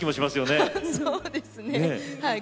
そうですねはい。